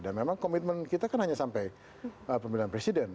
dan memang komitmen kita kan hanya sampai pemilihan presiden